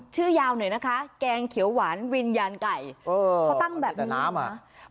ชื่อยาวหน่อยนะคะแกงเขียวหวานวิญญาณไก่เออเขาตั้งแบบน้ำอ่ะ